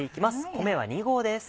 米は２合です。